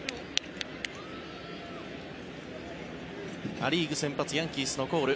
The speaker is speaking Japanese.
ア・リーグ先発ヤンキースのコール。